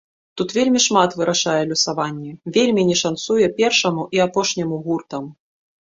Тут вельмі шмат вырашае лёсаванне, вельмі не шанцуе першаму і апошняму гуртам.